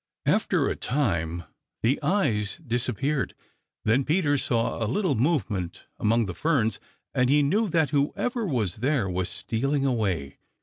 After a time the eyes disappeared. Then Peter saw a little movement among the ferns, and he knew that whoever was there was stealing away.